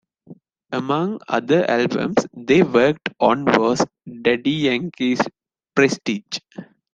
Among other albums they worked on was Daddy Yankee's "Prestige".